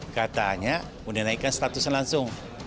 katanya udah naikkan statusnya langsung